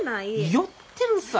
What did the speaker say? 寄ってるさ。